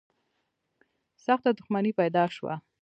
سخته دښمني پیدا شوه